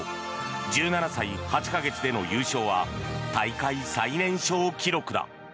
１７歳８か月での優勝は大会最年少記録だ。